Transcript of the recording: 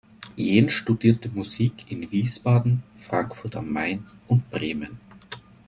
Jehn studierte Musik in Wiesbaden, Frankfurt am Main und Bremen.